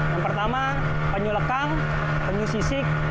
yang pertama penyuh lekang penyuh sisik